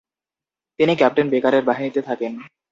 তিনি ক্যাপ্টেন বেকারের বাহিনীতে থাকেন।